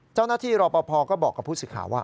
เจ้าหน้าที่รอปภก็บอกกับผู้สื่อข่าวว่า